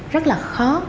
rất là khó